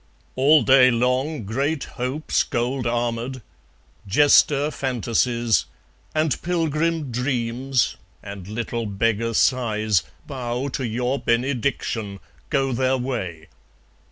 All day long Great Hopes gold armoured, jester Fantasies, And pilgrim Dreams, and little beggar Sighs, Bow to your benediction, go their way.